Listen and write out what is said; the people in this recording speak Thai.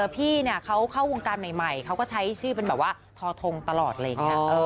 พี่เขาเข้าวงการใหม่เขาก็ใช้ชื่อเป็นแบบว่าทอทงตลอดอะไรอย่างนี้